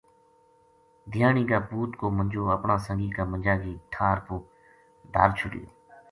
دھیانی کا پوت کو منجو اپنا سنگی کا منجا کی ٹھار پو دھر چھوڈیو